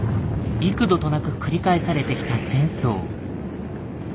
幾度となく繰り返されてきた戦争。